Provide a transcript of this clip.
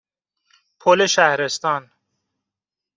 پل شهرستان